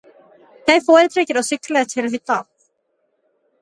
Jeg foretrekker å sykle til hytta.